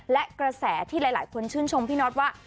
และกระแสที่หลายคนชื่นชมพี่น็อตว่า